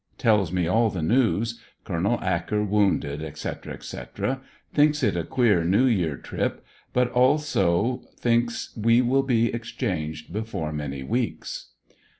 Tells me all the news. Col, Acker wounded, etc., etc. Thinks it a queer New Year trip, but also thinks we will be exchanged before man}^ weeks.